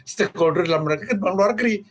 stakeholder dalam menarik ke luar negeri